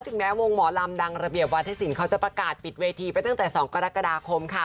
แม้วงหมอลำดังระเบียบวัฒนศิลป์เขาจะประกาศปิดเวทีไปตั้งแต่๒กรกฎาคมค่ะ